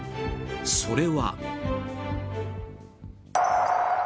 それは。